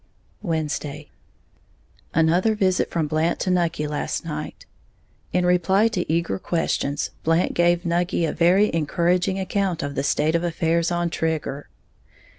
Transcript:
Wednesday. Another visit from Blant to Nucky last night. In reply to eager questions, Blant gave Nucky a very encouraging account of the state of affairs on Trigger.